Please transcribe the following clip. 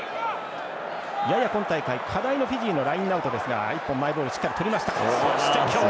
やや今大会、課題のフィジーのラインアウトですがマイボール１本とりました。